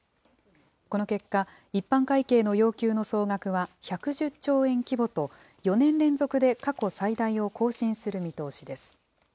この結果、一般会計の要求の総額は１１０兆円規模と４年連続で過去最大を更新する見通しです。